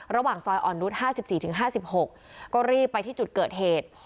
ระหว่างซอยอ่อนรุษห้าสิบสี่ถึงห้าสิบหกก็รีบไปที่จุดเกิดเหตุ